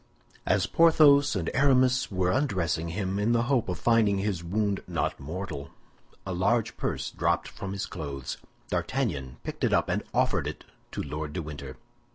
As Porthos and Aramis were undressing him, in the hope of finding his wound not mortal, a large purse dropped from his clothes. D'Artagnan picked it up and offered it to Lord de Winter.